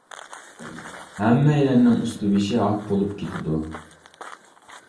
ھەممەيلەننىڭ ئۈستى بېشى ھاك بولۇپ كېتىدۇ.